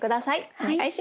お願いします。